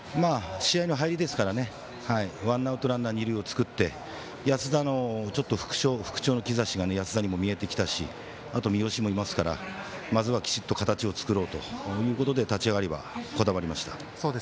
試合の入りだったのでワンアウトランナー、二塁を作って復調の兆しが安田にも見えてきたしあとは三好もいますからまずはきちんと形を作ろうということで立ち上がりはいきました。